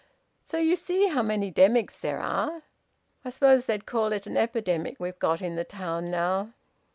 So you see how many demics there are! I suppose they'd call it an epidemic we've got in the town now."